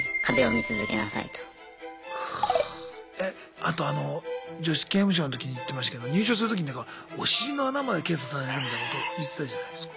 あとあの女子刑務所の時に言ってましたけど入所するときにほらお尻の穴まで検査されるみたいなこと言ってたじゃないすか。